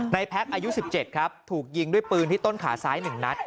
แพ็คอายุ๑๗ครับถูกยิงด้วยปืนที่ต้นขาซ้าย๑นัด